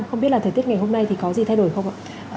không biết là thời tiết ngày hôm nay thì có gì thay đổi không ạ